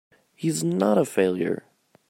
He's not a failure!